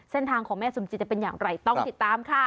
เส้นทางของแม่สมจิตจะเป็นอย่างไรต้องติดตามค่ะ